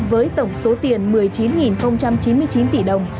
với tổng số tiền một mươi chín chín mươi chín tỷ đồng